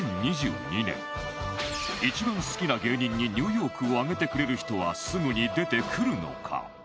一番好きな芸人にニューヨークを挙げてくれる人はすぐに出てくるのか？